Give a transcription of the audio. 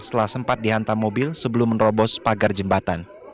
setelah sempat dihantam mobil sebelum menerobos pagar jembatan